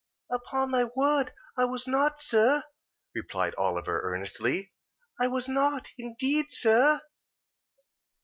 "Upon my word I was not, sir," replied Oliver, earnestly. "I was not, indeed, sir."